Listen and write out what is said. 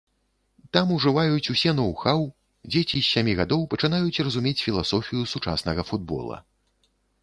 Там ужываюць усе ноў-хаў, дзеці з сямі гадоў пачынаюць разумець філасофію сучаснага футбола.